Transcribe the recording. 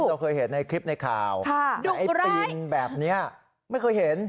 เราเคยเห็นในคลิปในข่าวแต่ไอ้ปีนแบบนี้ไม่เคยเห็น